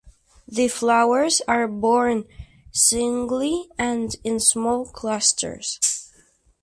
The flowers are borne singly and in small clusters.